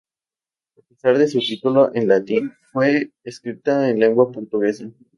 A pesar de su título en latín, fue escrita en lengua portuguesa.